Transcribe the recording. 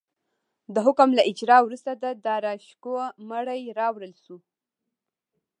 د حکم له اجرا وروسته د داراشکوه مړی راوړل شو.